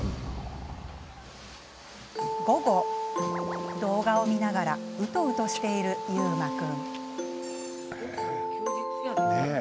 午後、動画を見ながらうとうとしている、ゆうま君。